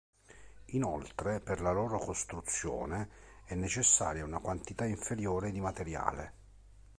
Inoltre per la loro costruzione è necessaria una quantità inferiore di materiale.